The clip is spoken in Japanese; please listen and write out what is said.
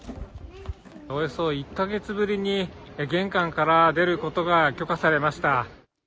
およそ１か月ぶりに玄関から出ることが許可されました。